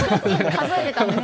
数えてたんですね。